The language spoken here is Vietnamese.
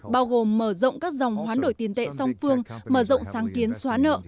bao gồm mở rộng các dòng hoán đổi tiền tệ song phương mở rộng sáng kiến xóa nợ